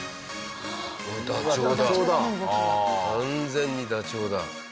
完全にダチョウだ。